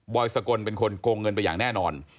สกลเป็นคนโกงเงินไปอย่างแน่นอน